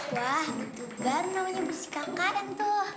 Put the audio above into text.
wah gitu geng namanya bisikak karen tuh